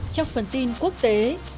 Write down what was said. trong phần tin quốc tế